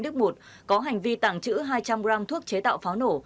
phổ thạnh đức một có hành vi tàng trữ hai trăm linh gram thuốc chế tạo pháo nổ